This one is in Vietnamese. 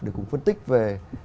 để cũng phân tích về